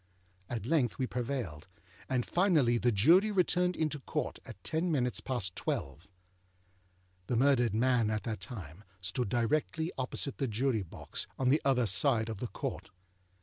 At length we prevailed, and finally the Jury returned into Court at ten minutes past twelve. The murdered man at that time stood directly opposite the Jury box, on the other side of the Court.